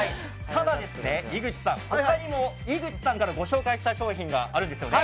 ただ、井口さん他にも井口さんからご紹介したい商品があるんですよね。